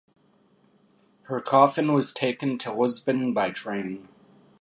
Her coffin was taken to Lisbon by train.